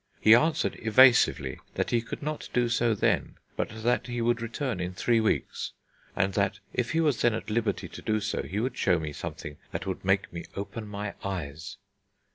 He answered evasively, that he could not do so then, but that he would return in three weeks, and that, if he was then at liberty to do so, he would show me something that would make me open my eyes.